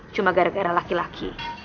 cuma gara gara laki laki